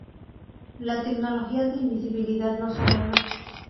Las tecnologías de invisibilidad no son nuevas.